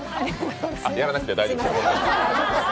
やらなくて大丈夫ですよ。